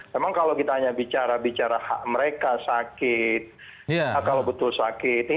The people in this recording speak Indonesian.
memang kalau kita hanya bicara bicara hak mereka sakit kalau betul sakit